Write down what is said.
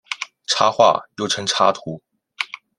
插画又称插图。